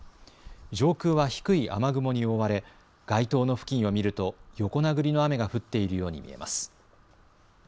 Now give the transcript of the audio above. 上空は低い雨雲に覆われ街灯の付近を見ると横殴りの雨が降っているように見えます。